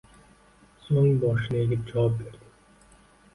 Soʻng boshini egib javob berdi